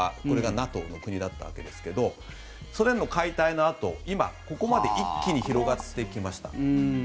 これがＮＡＴＯの国だったんですがソ連の解体のあと今、ここまで一気に広がってきました。